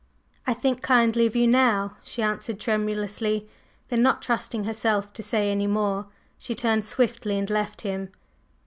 "I think kindly of you now," she answered tremulously; then, not trusting herself to say any more, she turned swiftly and left him.